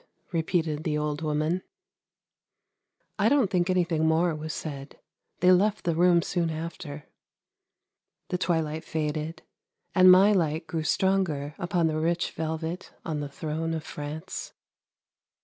' repeated the old woman. I don't think anything more was said; they left the room soon after. The twilight faded, and my light grew stronger upon the rich velvet on the throne of France.